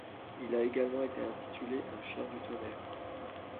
Il a également été intitulé Un chien du tonnerre.